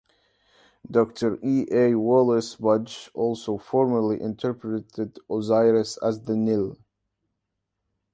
Dr. E. A. Wallis Budge also formerly interpreted Osiris as the Nil.